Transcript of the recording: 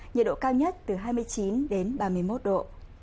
nhiệt độ cao nhất từ hai mươi chín đến ba mươi một độ